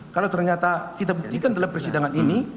kalau ternyata kita buktikan dalam persidangan ini